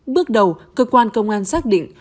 bước đầu cơ quan công an xác định